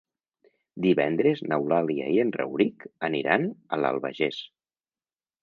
Divendres n'Eulàlia i en Rauric aniran a l'Albagés.